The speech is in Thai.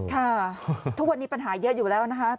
ค่ะทุกวันนี้ปัญหาเยอะอยู่แล้วนะคะ